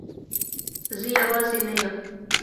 زه یوازی نه یم